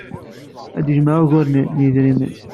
Ad yejmeɛ ugar n yedrimen.